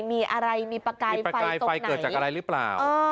มีอะไรมีประกายไฟเกิดจากอะไรหรือเปล่า